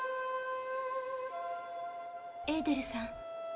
エーデルさん。